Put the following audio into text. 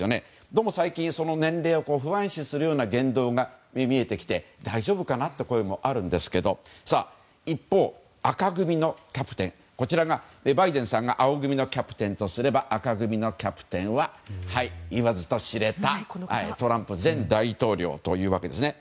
どうも最近、その年齢を不安視するような言動が見えてきて大丈夫かなという声もあるんですけど一方、赤組のキャプテンバイデンさんが青組のキャプテンとすれば赤組のキャプテンは言わずと知れたトランプ前大統領というわけですね。